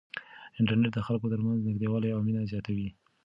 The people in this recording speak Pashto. انټرنیټ د خلکو ترمنځ نږدېوالی او مینه زیاتوي.